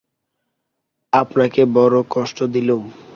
আপনাকে বড়ো কষ্ট দিলুম।